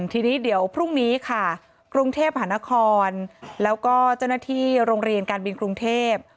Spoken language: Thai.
ทีนี้เดี๋ยวพรุ่งนี้ค่ะกรุงเทพหานครแล้วก็เจ้าหน้าที่โรงเรียนการบินกรุงเทพ